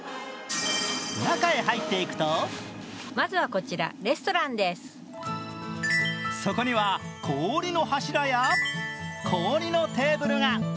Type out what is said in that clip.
中へ入っていくとそこには氷の柱や氷のテーブルが。